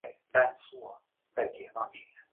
银州柴胡为伞形科柴胡属下的一个种。